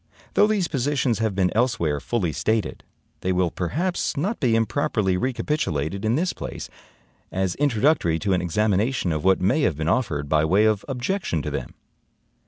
Though these positions have been elsewhere fully stated, they will perhaps not be improperly recapitulated in this place, as introductory to an examination of what may have been offered by way of objection to them.